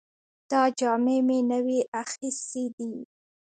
دا جامې مې نوې اخیستې دي